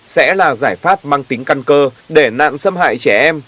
sẽ là giải pháp mang tính căn cơ để nạn xâm hại trẻ em